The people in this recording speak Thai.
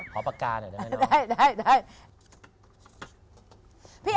ขอประกาศด้วยได้